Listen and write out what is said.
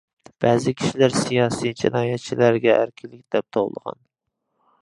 بەزى كىشىلەر « سىياسىي جىنايەتچىلەرگە ئەركىنلىك» دەپ توۋلىغان.